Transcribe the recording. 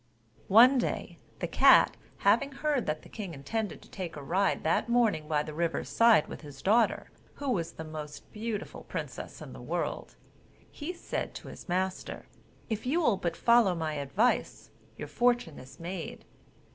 One day, the cat having heard that the king intended to take a ride that morning by the river's side with his daughter, who was the most beautiful princess in the world, he said to his master: "If you will but follow my advice, your fortune is made.